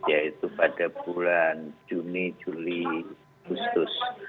yaitu pada bulan juni juli agustus